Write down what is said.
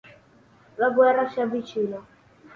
La guerra si avvicina.